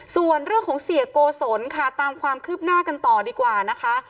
ส่วนเรื่องของเสียโกศลค่ะตามความคืบหน้ากันต่อดีกว่านะคะ